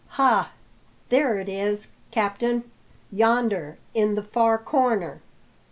"Ha! there it is, captain; yonder, in the far corner."